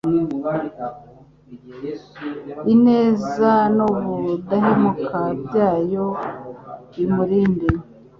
ineza n’ubudahemuka byayo bimurinde